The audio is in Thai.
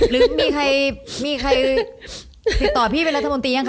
หรือมีใครมีใครติดต่อพี่เป็นรัฐมนตรียังค